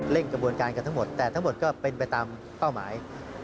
กระบวนการกันทั้งหมดแต่ทั้งหมดก็เป็นไปตามเป้าหมาย